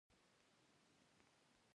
نیوروسرجري ډیره سخته ده!